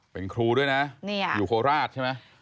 เป็นครูด้วยนะอยู่โคราชใช่ไหม